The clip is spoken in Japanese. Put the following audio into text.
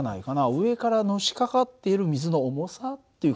上からのしかかっている水の重さっていう感じじゃない？